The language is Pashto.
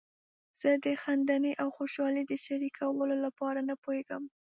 زه د خندنۍ او خوشحالۍ د شریکولو لپاره نه پوهیږم.